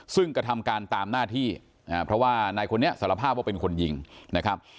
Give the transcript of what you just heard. ซึ่งกระทำการตามหน้าที่เพราะว่านายคนนี้สารภาพว่าเป็นคนยิงนะครับ